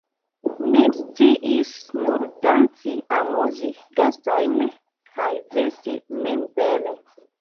Mi sciis nur danci, amuzi gastojn kaj vesti min bele.